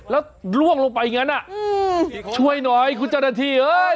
แล้วล่วงลงไปอย่างนั้นช่วยหน่อยคุณเจ้าหน้าที่เอ้ย